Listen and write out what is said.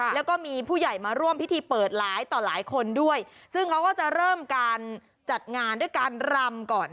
แล้วก็มีผู้ใหญ่มาร่วมพิธีเปิดหลายต่อหลายคนด้วยซึ่งเขาก็จะเริ่มการจัดงานด้วยการรำก่อน